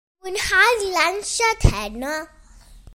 Mwynha'r lawnsiad heno.